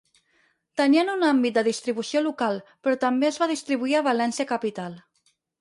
Tenien un àmbit de distribució local, però també es va distribuir a València Capital.